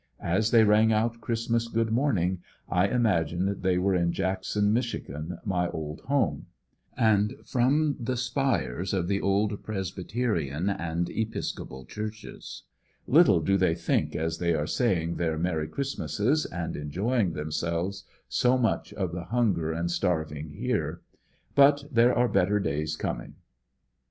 As they rang out Christmas good mornmg 1 imagined they were in Jackson, Michigan, my old home, and from the spires of the old Presbyterian and Episcopal churches. Little do they think as they are saying their Merry Christmases and enjoying themselves so much, of the hunger and starving here. But there are better days coming.